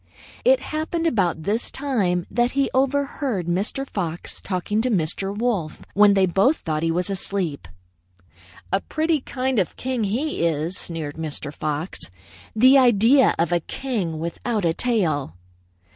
"It happened about this time that he overheard Mr. Fox talking to Mr. Wolf when they both thought him asleep. 'A pretty kind of a king, he is!' sneered Mr. Fox. 'The idea of a king without a tail!'